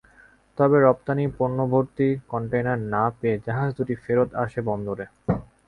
তবে রপ্তানি পণ্যভর্তি কনটেইনার না পেয়ে জাহাজ দুটি ফেরত আসে বন্দরে।